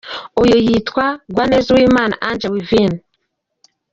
Uyu yitwa Gwaneza Uwimana Ange Wivine.